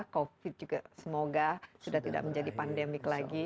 covid juga semoga sudah tidak menjadi pandemik lagi